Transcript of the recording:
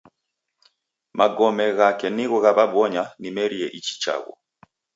Magome ghake nigho ghaw'ebonya nimerie ichi chaghu